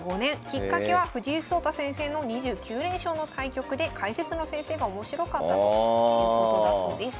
きっかけは藤井聡太先生の２９連勝の対局で解説の先生が面白かったということだそうです。